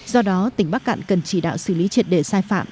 do đó tỉnh bắc cạn cần chỉ đạo xử lý triệt đề sai phạm